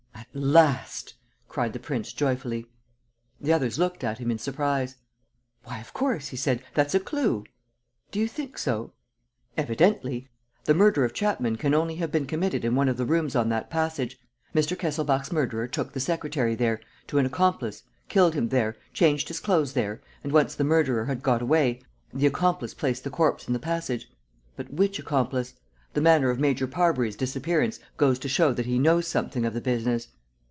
"At last!" cried the prince, joyfully. The others looked at him in surprise. "Why, of course," he said, "that's a clue!" "Do you think so?" "Evidently. The murder of Chapman can only have been committed in one of the rooms on that passage. Mr. Kesselbach's murderer took the secretary there, to an accomplice, killed him there, changed his clothes there; and, once the murderer had got away, the accomplice placed the corpse in the passage. But which accomplice? The manner of Major Parbury's disappearance goes to show that he knows something of the business.